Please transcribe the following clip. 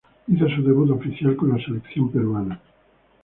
Hizo su debut oficial con la selección peruana.